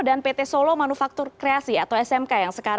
dan pt solo manufaktur kreasi atau smk